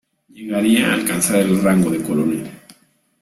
Llegaría a alcanzar el rango de coronel.